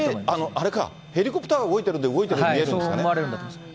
あれか、ヘリコプターが動いてるんで、動いているように見えるんですかね。